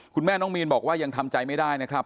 คุณแม่น้องมีนบอกว่ายังทำใจไม่ได้นะครับ